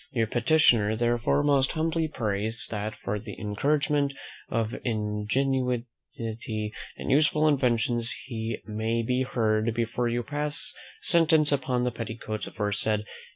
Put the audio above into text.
"Your petitioner, therefore, most humbly prays, that for the encouragement of ingenuity and useful inventions, he may be heard before you pass sentence upon the petticoats aforesaid.